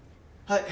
はい！